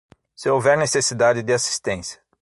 Se houver necessidade de assistência